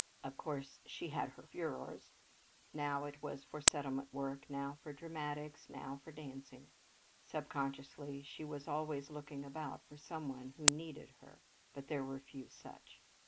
Of course she had her furores. Now it was for settlement work, now for dramatics, now for dancing. Subconsciously she was always looking about for some one who "needed" her, but there were few such.